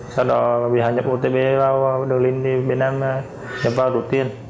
sau đó bì hải nhập otp vào đường linh thì bên em nhập vào đồ tiền